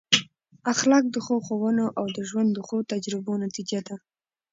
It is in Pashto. اخلاق د ښو ښوونو او د ژوند د ښو تجربو نتیجه ده.